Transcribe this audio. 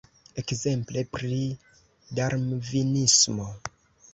Ekzemple pri Darvinismo.